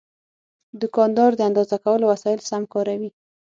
دوکاندار د اندازه کولو وسایل سم کاروي.